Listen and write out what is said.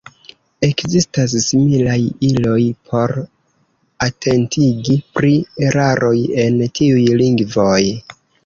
Ekzistas similaj iloj por atentigi pri eraroj en tiuj lingvoj.